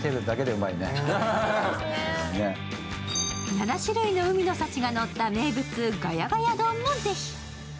７種類の海の幸がのった名物、我家我家丼もぜひ。